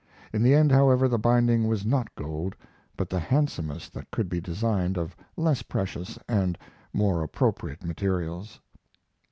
In the end, however, the binding was not gold, but the handsomest that could be designed of less precious and more appropriate materials.